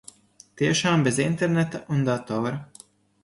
Tiešām bez interneta un datora.